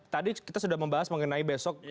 tadi kita sudah membahas mengenai besok